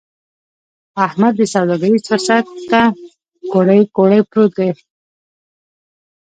احمد دې سوداګريز فرصت ته کوړۍ کوړۍ پروت دی.